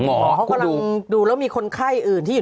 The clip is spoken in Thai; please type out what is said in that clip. หมอเขากำลังดูแล้วมีคนไข้อื่นที่อยู่